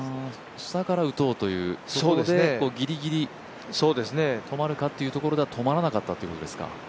下から打とうという結構ギリギリ止まるところが止まらなかったということですか。